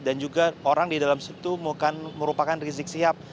dan juga orang di dalam situ merupakan rizik syihab